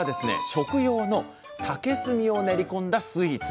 食用の竹炭を練り込んだスイーツ。